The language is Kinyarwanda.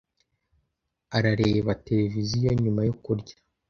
Arareba televiziyo nyuma yo kurya.